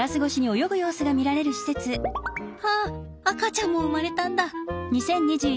あっ赤ちゃんも生まれたんだ。